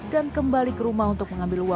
dan kembali ke rumah untuk mengambilnya